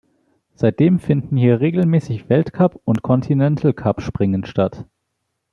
Seitdem finden hier regelmäßig Weltcup- und Continental-Cup-Springen statt.